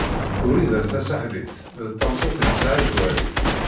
Wrida Tasaḥlit d tameṭṭut n Saɛid Waɛli.